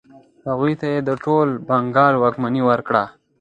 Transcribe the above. هغوی ته یې د ټول بنګال واکمني ورکړه.